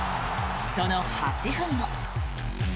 その８分後。